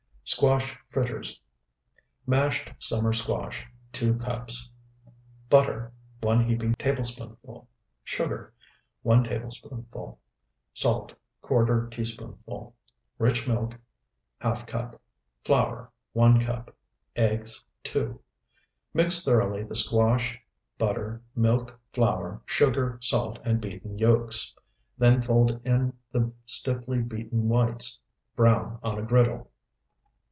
SQUASH FRITTERS Mashed summer squash, 2 cups. Butter, 1 heaping tablespoonful. Sugar, 1 tablespoonful. Salt, ½ teaspoonful. Rich milk, ½ cup. Flour, 1 cup. Eggs, 2. Mix thoroughly the squash, butter, milk, flour, sugar, salt, and beaten yolks. Then fold in the stiffly beaten whites. Brown on a griddle.